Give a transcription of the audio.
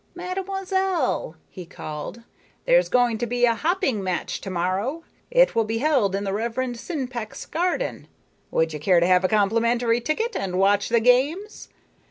"Mademoiselle," he called, "there's going to be a hopping match to morrow. It will be held in the Reverend Sinpeck's garden. Would you care to have a complimentary ticket and watch the games?